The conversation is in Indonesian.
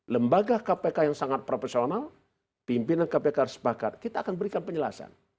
lembaga kpk yang sangat profesional pimpinan kpk harus sepakat kita akan berikan penjelasan